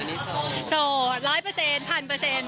วันนี้โซ่หรือเปล่าโซ่ร้ายเปอร์เซ็นต์พันเปอร์เซ็นต์